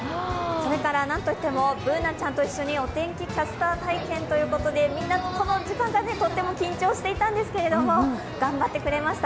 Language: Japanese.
なんといっても、Ｂｏｏｎａちゃんと一緒にお天気キャスター体験ということでみんな、この時間帯とっても緊張していたんですけれども頑張ってくれました。